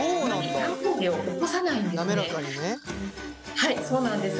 はいそうなんです。